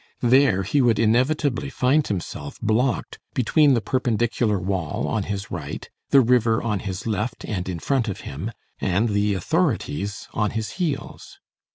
There he would inevitably find himself blocked between the perpendicular wall on his right, the river on his left and in front of him, and the authorities on his heels.